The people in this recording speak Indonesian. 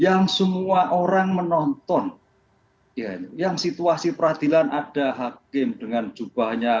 yang di persidangan yang semua orang menonton yang situasi peradilan ada hakim dengan jubahnya